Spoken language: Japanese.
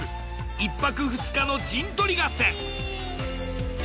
１泊２日の陣取り合戦。